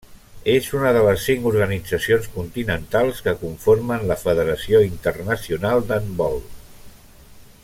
És una de les cinc organitzacions continentals que conformen la Federació Internacional d'Handbol.